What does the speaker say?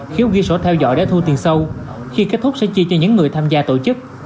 khiếu ghi sổ theo dõi để thu tiền sâu khi kết thúc sẽ chi cho những người tham gia tổ chức